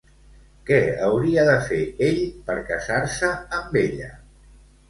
Què hauria de fer ell per casar-se amb ella?